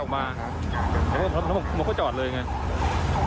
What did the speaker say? มันก็จอดเลยไง